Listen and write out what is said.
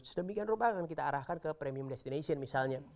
sedemikian rupanya kita arahkan ke premium destination misalnya